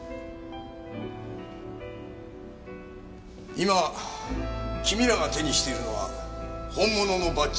今君らが手にしているのは本物のバッジではない。